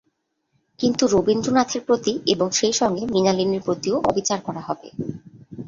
কিন্তু রবীন্দ্রনাথের প্রতি এবং সেই সঙ্গে মৃণালিনীর প্রতিও অবিচার করা হবে।